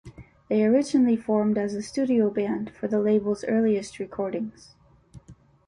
They originally formed as a studio band for the label's earliest recordings.